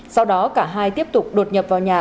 sau đó cả hai tiếp tục đột nhập vào nhà